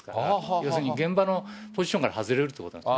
要するに現場のポジションから外れるということなんですね。